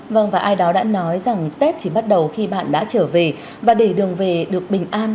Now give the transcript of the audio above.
vâng và ai đó đã nói rằng tết chỉ bắt đầu khi bạn đã trở về và để đường về được bình an